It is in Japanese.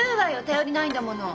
頼りないんだもの。